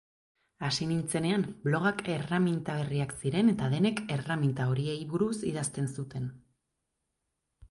Hasi nintzenean blogak erreminta berriak ziren eta denek erreminta horiei buruz idazten zuten.